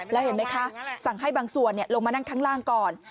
แล้วเห็นไหมคะสั่งให้บางส่วนลงมานั่งข้างล่างก่อน